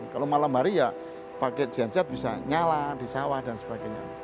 kalau malam hari ya pakai genset bisa nyala di sawah dan sebagainya